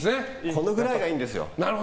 このぐらいがいいんですよ。